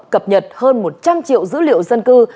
cập nhật hơn một trăm linh triệu dữ liệu dân cư